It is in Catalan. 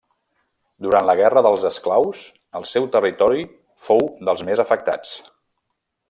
Durant la Guerra dels esclaus, el seu territori fou dels més afectats.